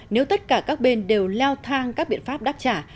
nếu tất cả các bên đều leo thang các biện pháp đáp trả